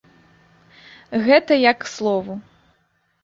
Гэта я к слову.